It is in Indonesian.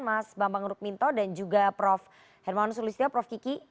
mas bambang rukminto dan juga prof hermawan sulistyo prof kiki